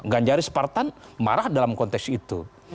ganjar separtan marah dalam konteks itu